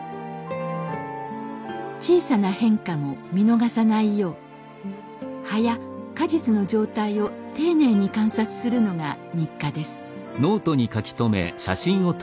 小さな変化も見逃さないよう葉や果実の状態を丁寧に観察するのが日課です。